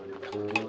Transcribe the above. tidak tidak tidak